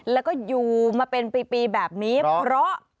แล้วก็อยู่มาเป็นปีแบบนี้เพราะ